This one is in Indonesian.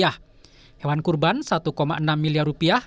hewan kurban rp satu enam miliar